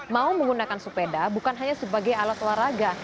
mau menggunakan sepeda bukan hanya sebagai alat olahraga